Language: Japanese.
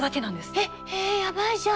えっえやばいじゃん。